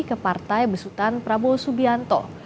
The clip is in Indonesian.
ke partai besutan prabowo subianto